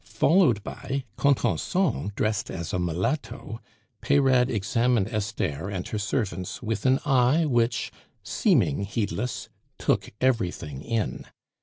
Followed by Contenson dressed as a mulatto, Peyrade examined Esther and her servants with an eye which, seeming heedless, took everything in.